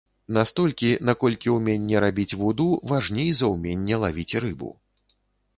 Настолькі, наколькі ўменне рабіць вуду важней за ўменне лавіць рыбу.